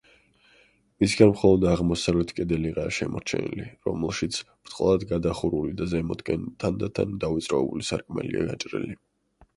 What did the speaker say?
მისგან მხოლოდ აღმოსავლეთ კედელიღაა შემორჩენილი, რომელშიც ბრტყლად გადახურული და ზემოთკენ თანდათან დავიწროებული სარკმელია გაჭრილი.